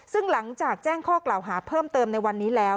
ซึ่งหลังจากแจ้งข้อกล่าวหาเพิ่มเติมในวันนี้แล้ว